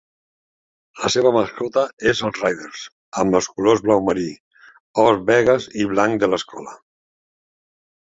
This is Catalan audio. La seva mascota és el Raiders, amb els colors blau marí, or Vegas i blanc de l'escola.